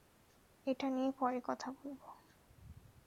এটা নিয়ে পরে কথা বলব।